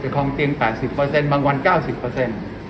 จะคลอมเตียง๘๐บังวัน๙๐